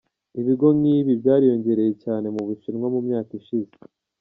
Ibigo nk’ibi byariyongereye cyane mu Bushinwa mu myaka ishize.